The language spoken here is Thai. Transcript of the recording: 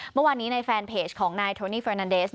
เมื่อวานนี้ในแฟนเพจของตรีนี้แฟนเดส